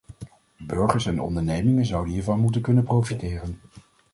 Burgers en ondernemingen zouden hiervan moeten kunnen profiteren.